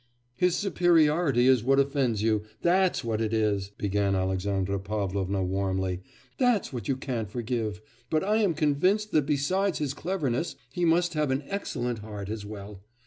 'His superiority is what offends you that's what it is!' began Alexandra Pavlovna warmly, 'that's what you can't forgive. But I am convinced that besides his cleverness he must have an excellent heart as well.